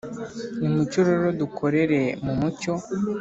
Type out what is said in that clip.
Nimucyo rero dukorere mu mucyo